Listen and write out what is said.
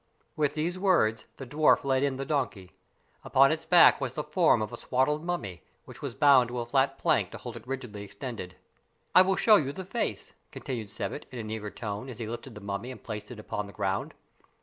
With these words the dwarf led in the donkey. Upon its back was the form of a swaddled mummy, which was bound to a flat plank to hold it rigidly extended. "I will show you the face," continued Sebbet, in an eager tone, as he lifted the mummy and placed it upon the ground.